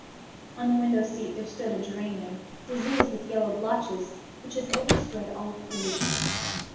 On the window seat there stood a geranium diseased with yellow blotches, which had overspread all its leaves.